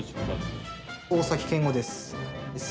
大崎健吾です。